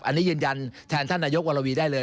อันนี้ยืนยันแทนท่านนายกวรวีได้เลย